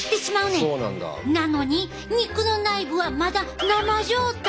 なのに肉の内部はまだ生状態。